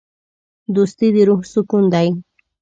دوستي د روح سکون دی.